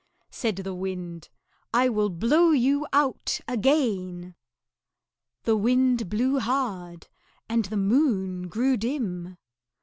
Said the Wind "I will blow you out again." The Wind blew hard, and the Moon grew dim.